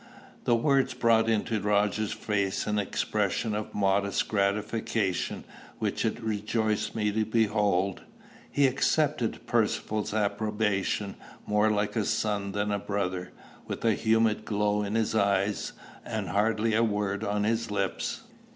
The words brought into Roger's face an expression of modest gratification which it rejoiced me to behold: he accepted Percivale's approbation more like a son than a brother, with a humid glow in his eyes and hardly a word on his lips.